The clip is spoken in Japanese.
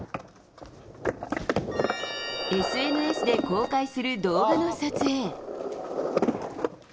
ＳＮＳで公開する動画の撮影。